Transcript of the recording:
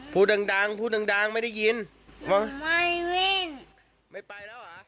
พูดดังพูดดังไม่ได้ยินไม่วิ่งไม่ไปแล้วหรอ